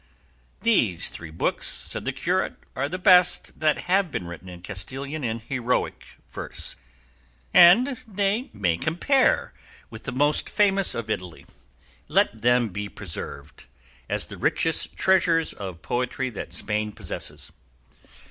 "These three books," said the curate, "are the best that have been written in Castilian in heroic verse, and they may compare with the most famous of Italy; let them be preserved as the richest treasures of poetry that Spain possesses."